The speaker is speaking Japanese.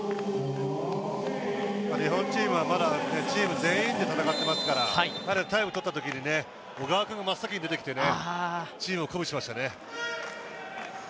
日本チームはまだチーム全員で戦っていますから、タイムを取ったときに小川君が真っ先に出てきてチームを鼓舞しましたね。